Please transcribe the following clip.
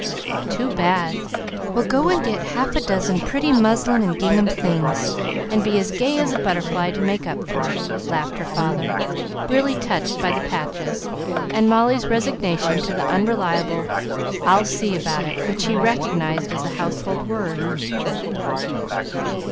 "Too bad! Well, go and get half a dozen pretty muslin and gingham things, and be as gay as a butterfly, to make up for it," laughed her father, really touched by the patches and Molly's resignation to the unreliable "I'll see about it," which he recognized as a household word.